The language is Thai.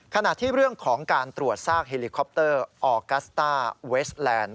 ขณะที่เรื่องของการตรวจซากเฮลิคอปเตอร์ออกัสต้าเวสแลนด์